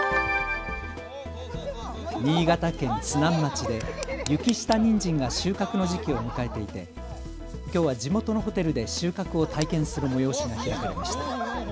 新潟県津南町で雪下にんじんが収穫の時期を迎えていてきょうは地元のホテルで収穫を体験する催しが開かれました。